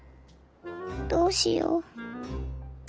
どうしよう。